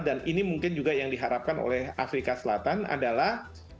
dan ini mungkin juga yang diharapkan oleh afrika selatan adalah